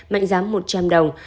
mạnh giám một trăm linh đồng